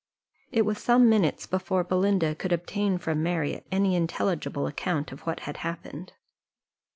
It was some minutes before Belinda could obtain from Marriott any intelligible account of what had happened.